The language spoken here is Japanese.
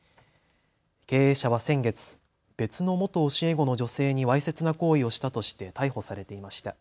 経営者は先月、別の元教え子の女性にわいせつな行為をしたとして逮捕されていました。